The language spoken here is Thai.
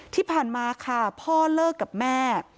ที่ผ่านมาค่ะพ่อเลิกกับแม่